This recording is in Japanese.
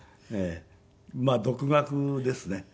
まあ独学ですね。